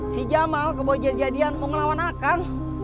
si jamal kebawa jadi jadian mau ngelawan akang